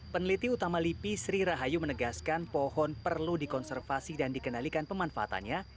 peneliti utama lipi sri rahayu menegaskan pohon perlu dikonservasi dan dikendalikan pemanfaatannya